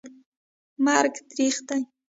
مرګ تریخ دي